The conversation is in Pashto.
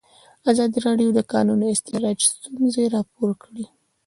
ازادي راډیو د د کانونو استخراج ستونزې راپور کړي.